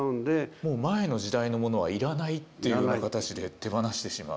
もう前の時代のものはいらないっていうような形で手放してしまう。